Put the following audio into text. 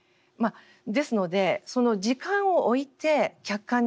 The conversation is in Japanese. ですので時間を置いて客観的に見る。